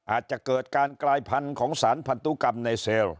อาจจะเกิดการกลายพันธุ์ของสารพันธุกรรมในเซลล์